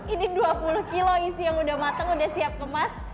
ini dua puluh kilo isi yang udah matang udah siap kemas